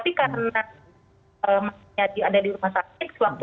tapi karena masih ada di rumah sakit